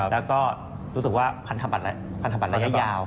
แล้วก็รู้สึกว่าพันธบัตรระยะยาว